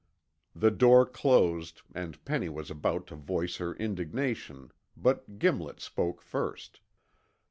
The door closed, and Penny was about to voice her indignation, but Gimlet spoke first.